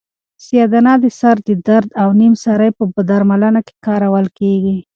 سیاه دانه د سر د درد او نیم سری په درملنه کې کارول کیږي.